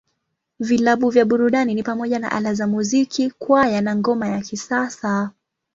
Vilabu vya burudani ni pamoja na Ala za Muziki, Kwaya, na Ngoma ya Kisasa.